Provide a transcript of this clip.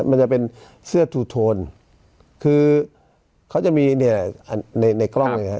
มันจะเป็นเสื้อทูโทนคือเขาจะมีเนี่ยในในกล้องนะครับ